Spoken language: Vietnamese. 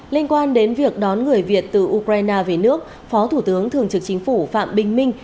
liên quan đến việc đón người việt từ ukraine về nước phó thủ tướng thường trực chính phủ phạm bình minh